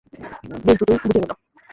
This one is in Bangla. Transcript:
বেশ দ্রুতই বুঝে গেলে।